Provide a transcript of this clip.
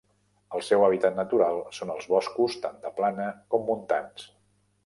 El seu hàbitat natural són els boscos tant de plana com montans.